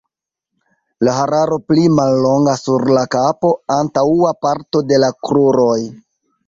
La hararo pli mallonga sur la kapo, antaŭa parto de la kruroj.